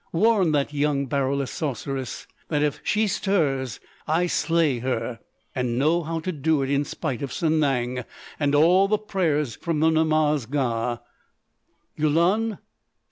Warn that young Baroulass Sorceress that if she stirs I slay her. And know how to do it in spite of Sanang and all the prayers from the Namaz Ga! Yulun!